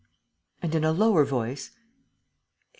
And, in a lower voice, "813